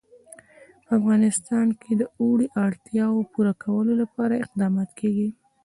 په افغانستان کې د اوړي د اړتیاوو پوره کولو لپاره اقدامات کېږي.